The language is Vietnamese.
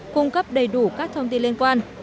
cung cấp đầy đủ các thông tin liên quan